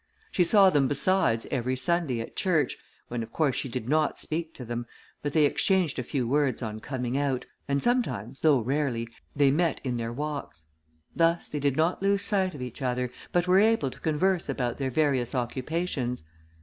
She saw them besides every Sunday at church, when, of course, she did not speak to them, but they exchanged a few words on coming out, and sometimes, though rarely, they met in their walks; thus they did not lose sight of each other, but were able to converse about their various occupations.